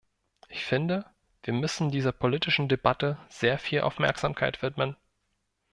Ich finde, wir müssen dieser politischen Debatte sehr viel Aufmerksamkeit widmen.